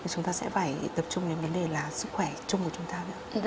chúng ta sẽ phải tập trung đến vấn đề là sức khỏe chung của chúng ta nữa